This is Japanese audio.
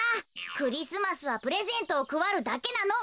クリスマスはプレゼントをくばるだけなの。